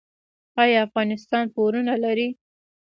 آیا افغانستان پورونه لري؟